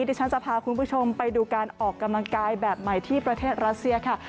ดิฉันจะพาคุณผู้ชมไปดูการออกกำลังกายแบบใหม่ที่ประเทศรัสเซียค่ะ